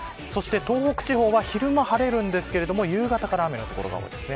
東北地方は昼間晴れますが夕方から雨の所が多いです。